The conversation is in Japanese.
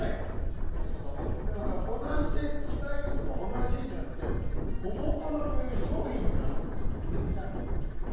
同じで近いとか、同じじゃなくて、ＨＯＢＯＴＡＭＡという商品になると思う。